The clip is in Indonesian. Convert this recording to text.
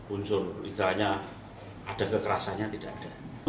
unsur misalnya ada kekerasannya tidak ada